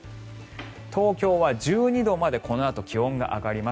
東京は１２度までこのあと気温が上がります。